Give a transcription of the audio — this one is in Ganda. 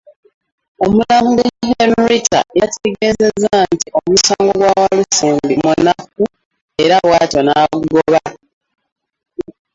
Omulamuzi Henrietta yategeezezza nti omusango gwa Walusimbi munafu era bwatyo n'agugoba.